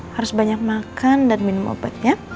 harus banyak makan dan minum obatnya